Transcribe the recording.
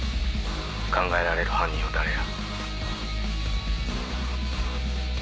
考えられる犯人は誰や？